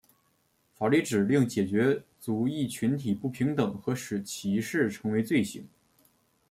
法律指令解决族裔群体不平等和使歧视成为罪行。